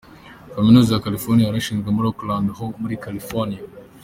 Kaminuza ya California yarashinzwe muri Oakland ho muri California.